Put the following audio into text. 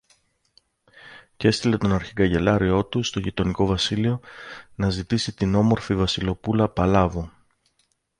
Κι έστειλε τον αρχικαγκελάριό του στο γειτονικό βασίλειο, να ζητήσει την όμορφη Βασιλοπούλα Παλάβω